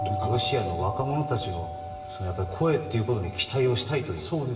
ロシアの若者たちの声ということに期待をしたいという。